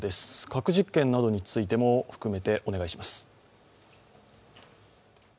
核実験についても含めてお願いします。